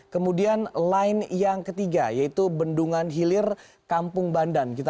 kemudian lain yang ketiga yaitu bendungan hilir kampung bandan